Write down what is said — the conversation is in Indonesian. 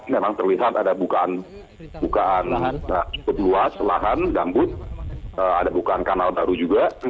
memang terlihat ada bukaan cukup luas lahan gambut ada bukaan kanal baru juga